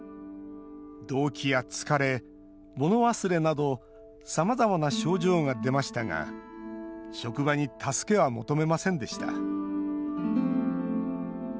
動悸や疲れ、物忘れなどさまざまな症状が出ましたが職場に助けは求めませんでした。